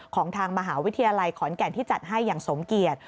ของทางมหาวิทยาลัยขอนแก่นที่จัดให้อย่างสมเกียจ